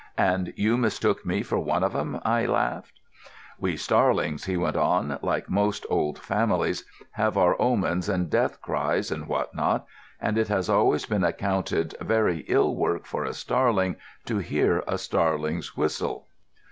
"And you mistook me for one of 'em?" I laughed. "We Starlings," he went on, "like most old families, have our omens and death cries and what not, and it has always been accounted very ill work for a Starling to hear a starling's whistle."